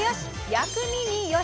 薬味によし！」。